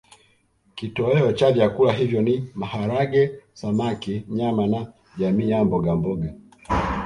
Kitoweo cha vyakula hivyo ni maharage samaki nyama na jamii ya mbogamboga